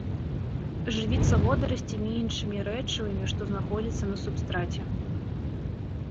Жывіцца водарасцямі і іншымі рэчывамі, што знаходзяцца на субстраце.